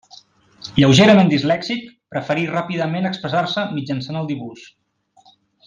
Lleugerament dislèxic, preferí ràpidament expressar-se mitjançant el dibuix.